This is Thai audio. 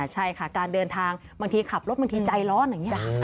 ใช่ค่ะการเดินทางบางทีขับรถบางทีใจร้อนอย่างนี้